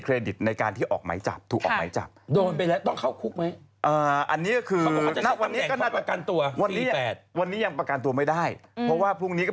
พรุ่งนี้วันมาครับบุญชาณภรรยาอ่าพรุ่งนี้วันมาครับบุญชาณภรรยา